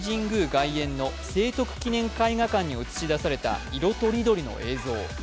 外苑の聖徳記念絵画館に映し出された色とりどりの映像